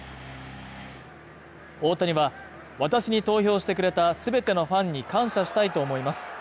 大谷は私に投票してくれた全てのファンに感謝したいと思います